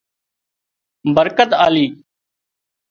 برڪت آلي